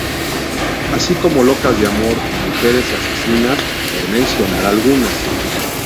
Así como "Locas de amor" y "Mujeres asesinas", por mencionar algunas.